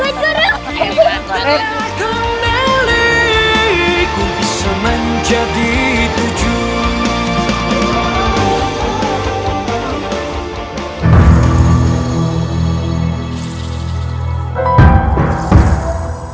aku bisa menjadi tujuh